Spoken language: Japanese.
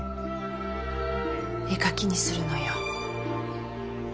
絵描きにするのよ。